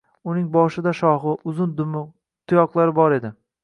Uning boshida shoxi, uzun dumi, tuyoqlari bor edi